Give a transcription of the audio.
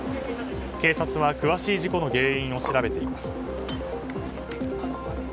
警察は詳しい事故の原因を調べています。